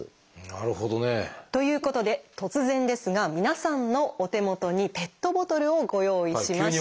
なるほどね。ということで突然ですが皆さんのお手元にペットボトルをご用意しました。